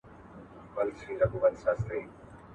ځینې خلک پوښتنې راپورته کوي.